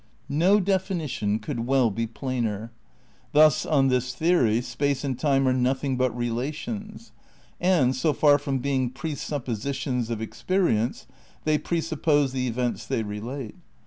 No definition could well be plainer. Thus on this theory space and time are nothing but relations; and, so far from being presuppositions of experience they presuppose the events they relate.